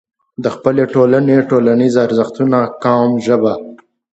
د خپلې ټولنې، ټولنيز ارزښتونه، قوم، ژبه